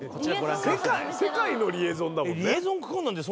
世界のリエゾンだもんね。